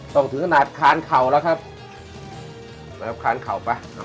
ถึงขนาดคานเข่าแล้วครับนะครับคานเข่าป่ะ